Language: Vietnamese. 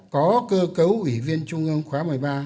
có cơ cấu ủy viên trung ương khóa một mươi ba